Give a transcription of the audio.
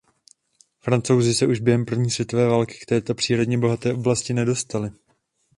Francouzi se už během první světové války k této přírodně bohaté oblasti nedostali.